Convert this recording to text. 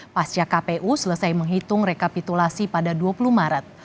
pasca kpu selesai menghitung rekapitulasi pada dua puluh maret